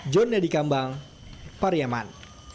john nedi kambang pariyaman